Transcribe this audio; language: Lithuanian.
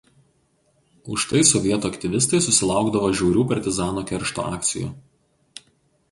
Už tai sovietų aktyvistai susilaukdavo žiaurių partizano keršto akcijų.